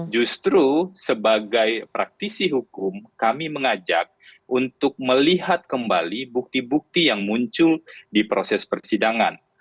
justru sebagai praktisi hukum kami mengajak untuk melihat kembali bukti bukti yang muncul di proses persidangan